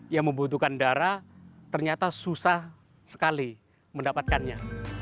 yang membutuhkan darah ternyata susah sekali mendapatkannya